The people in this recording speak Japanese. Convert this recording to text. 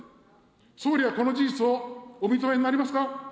総理はこの事実をお認めになりますか。